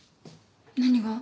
何が？